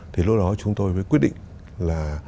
thì lúc đó chúng tôi mới quyết định là